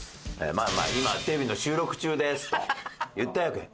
「まあまあ今テレビの収録中です」と言ったわけ。